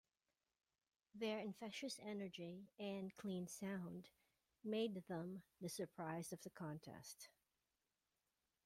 Their infectious energy and clean sound made them the surprise of the contest.